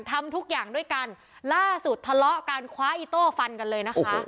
ทำทุกอย่างด้วยกันล่าสุดทะเลาะกันคว้าอีโต้ฟันกันเลยนะคะ